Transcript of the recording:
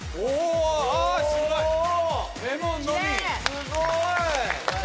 すごい！